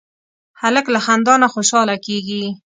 هلک له خندا نه خوشحاله کېږي.